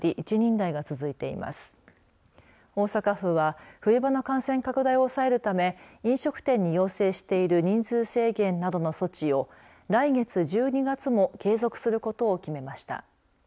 大阪府は冬場の感染拡大を抑えるため飲食店に要請している人数制限などの措置を来月１２月も継続することを決めました。